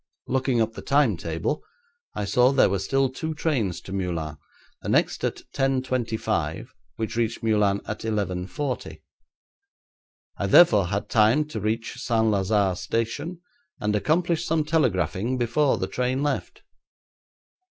Looking up the timetable I saw there were still two trains to Meulan, the next at 10.25, which reached Meulan at 11.40. I therefore had time to reach St. Lazare station, and accomplish some telegraphing before the train left.